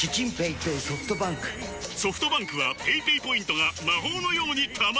ソフトバンクはペイペイポイントが魔法のように貯まる！